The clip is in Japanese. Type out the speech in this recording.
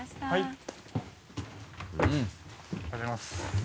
はい。